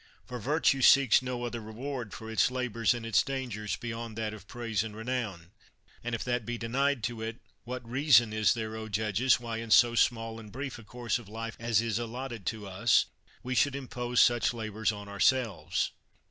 For virtue seeks no other reward for its labors and its dangers beyond that of praise and renown ; and if that be denied to it, what reason is there, O judges, why in so small and brief a course of life as is allotted to us, we should im pose such labors on ourselves?